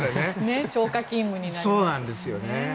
超過勤務になりますよね。